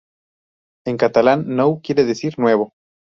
En catalán, nou quiere decir "nuevo".